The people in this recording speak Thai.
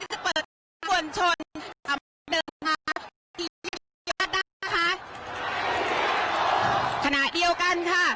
ที่จะเปิดส่วนชนอำดังค่ะได้นะคะคณะเดียวกันค่ะ